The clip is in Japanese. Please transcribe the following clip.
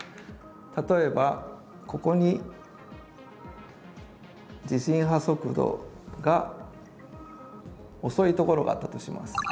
例えばここに地震波速度が遅いところがあったとします。